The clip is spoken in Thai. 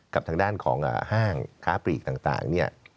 กับทางด้านของห้างค้าปลีกต่างเนี่ย